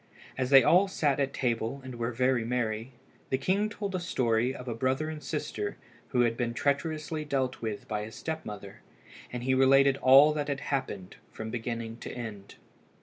As they all sat at table and were very merry, the king told a story of a brother and sister who had been treacherously dealt with by a step mother, and he related all that had happened from beginning to end.